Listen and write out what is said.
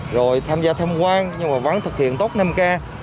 rồi tham gia tham quan nhưng mà vẫn thực hiện tốt năm k